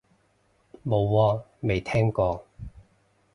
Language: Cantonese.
冇喎，未聽過